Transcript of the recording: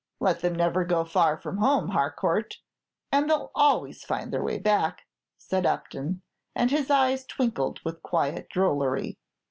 "Let them never go far from home, Harcourt, and they 'll always find their way back," said Upton; and his eyes twinkled with quiet drollery.